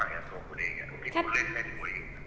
และส่วนตัวเองคุณก็ซื้ออยู่แล้วแหละ